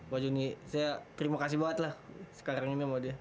pak joni saya terima kasih banget lah sekarang ini sama dia